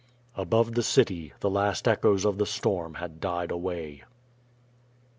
Above the city the last echoes of the storm had died away.